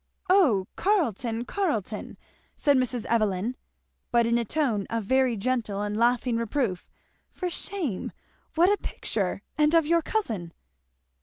"Oh Carleton, Carleton!" said Mrs. Evelyn, but in a tone of very gentle and laughing reproof, "for shame! What a picture! and of your cousin!"